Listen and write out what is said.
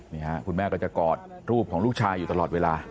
นี่ค่ะคุณแม่ก็จะกอดรูปของลูกชายอยู่ตลอดเวลา